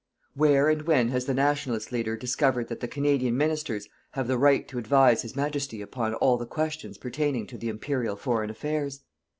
Where and when has the Nationalist leader discovered that the Canadian Ministers have the right to advise His Majesty upon all the questions pertaining to the Imperial Foreign Affairs?